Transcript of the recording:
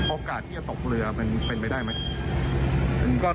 โอกาสที่จะตกเรือมันเป็นไปได้ไหม